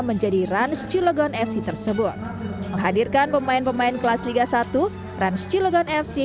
menjadi rans cilegon fc tersebut menghadirkan pemain pemain kelas liga satu rans cilegon fc